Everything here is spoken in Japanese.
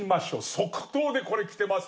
即答でこれきてます。